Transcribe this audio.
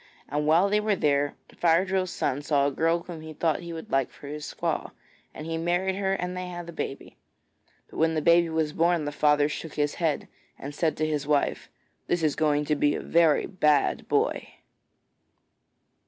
And while they were there Fire drill's son saw a girl whom he thought he would like for his squaw, and he married her and they had a baby. But when the baby was born the father shook his head and said to his wife: 'This is going to be a very bad boy.'